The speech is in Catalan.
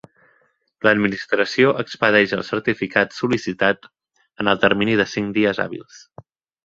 L'Administració expedeix el certificat sol·licitat en el termini de cinc dies hàbils.